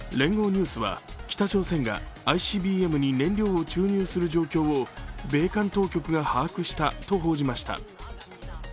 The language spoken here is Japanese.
ニュースは北朝鮮がＩＣＢＭに燃料を注入する状況を米韓当局が把握したと報じました。